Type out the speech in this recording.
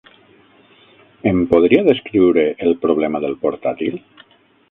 Em podria descriure el problema del portàtil?